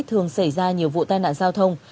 thường xảy ra nhiều vụ tai nạn giao thông